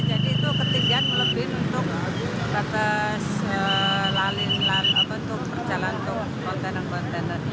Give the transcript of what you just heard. jadi itu ketinggian melebih untuk perjalanan untuk kontainer kontainer